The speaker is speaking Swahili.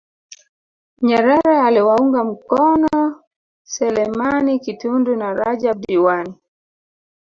Nyerere aliwaunga mkono Selemani Kitundu na Rajab Diwani